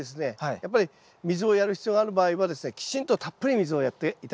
やっぱり水をやる必要がある場合はきちんとたっぷり水をやって頂きたいと思います。